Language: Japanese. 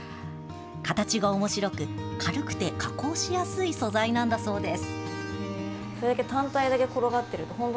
形がおもしろく、軽くて加工しやすい素材なんだそうです。